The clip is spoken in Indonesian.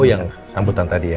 yang sambutan tadi ya